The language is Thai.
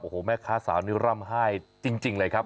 โอ้โหแม่ค้าสาวนี้ร่ำไห้จริงเลยครับ